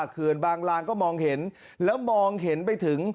เขื่อนบางลางก็มองเห็นแล้วมองเห็นไปถึง